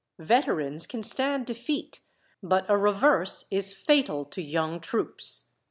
Veterans can stand defeat, but a reverse is fatal to young troops.